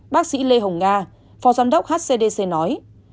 bác sĩ lê hồng nga phó giám đốc hcdc nói